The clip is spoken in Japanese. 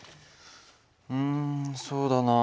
うんそうだなあ。